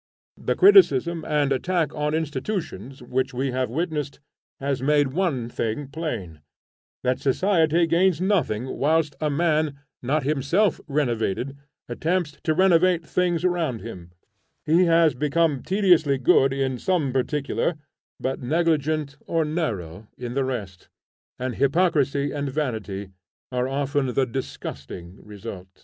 The criticism and attack on institutions, which we have witnessed, has made one thing plain, that society gains nothing whilst a man, not himself renovated, attempts to renovate things around him: he has become tediously good in some particular but negligent or narrow in the rest; and hypocrisy and vanity are often the disgusting result.